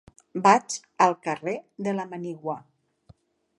Vaig al carrer de la Manigua.